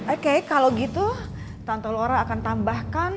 oke kalau gitu tante laura akan tambahkan